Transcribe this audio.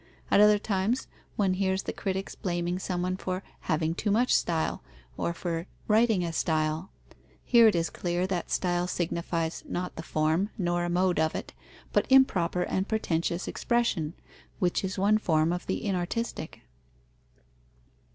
At other times, one hears the critics blaming someone for "having too much style" or for "writing a style." Here it is clear that style signifies, not the form, nor a mode of it, but improper and pretentious expression, which is one form of the inartistic.